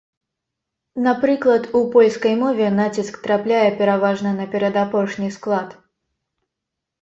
Напрыклад, у польскай мове націск трапляе пераважна на перадапошні склад.